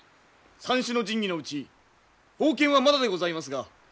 三種の神器のうち宝剣はまだでございますが。